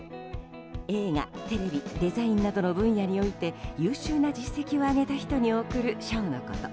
映画、テレビ、デザインなどの分野において優秀な実績を上げた人に贈られる賞のこと。